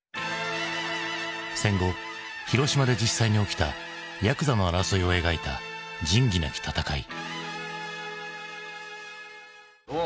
戦後広島で実際に起きたやくざの争いを描いた「仁義なき戦い」。